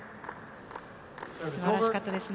素晴らしかったですね